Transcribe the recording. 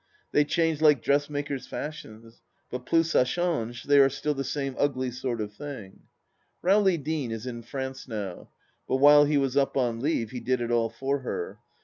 They change like dressmakers' fashions ; but plus ca change, they are still the same ugly sort of thing. Rowley Deane is in France now, but while he was up on leave he did it all for her.